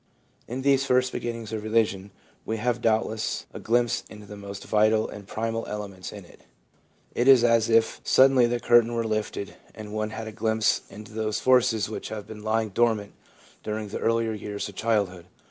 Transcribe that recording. In these first beginnings of religion, we have doubt less a glimpse into the most vital and primal elements ADOLESCENCE— SPONTANEOUS AWAKENINGS 199 in it. It is as if suddenly the curtain were lifted and one had a glimpse into those forces which have been lying dormant during the earlier years of child hood.